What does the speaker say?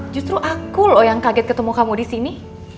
justru aku loh yang kaget ketemu kamu disini